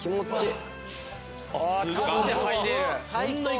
立って入れる！